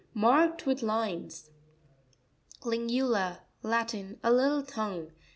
— Marked with lines. Lr'neuta.—Latin. A little tongue.